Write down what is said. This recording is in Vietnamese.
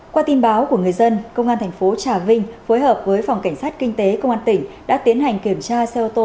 qua tin báo của người dân công an thành phố trà vinh phối hợp với phòng cảnh sát kinh tế công an tỉnh đã tiến hành kiểm tra xe ô tô